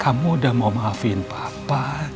kamu udah mau maafin papa